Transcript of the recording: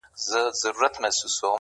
چې نصیب مې دا منصب د لېوني دے